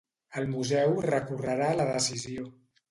El museu recorrerà la decisió